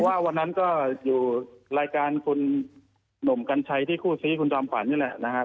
ว่าวันนั้นก็อยู่รายการคุณหนุ่มกัญชัยที่คู่ซี้คุณจอมขวัญนี่แหละนะครับ